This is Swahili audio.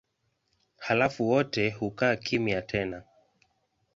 Halafu wote hukaa kimya tena.